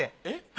えっ？